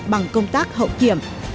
bằng công tác hậu kiểm